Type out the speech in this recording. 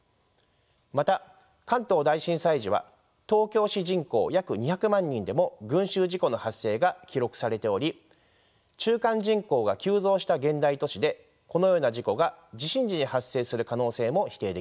また関東大震災時は東京市人口約２００万人でも群集事故の発生が記録されており昼間人口が急増した現代都市でこのような事故が地震時に発生する可能性も否定できません。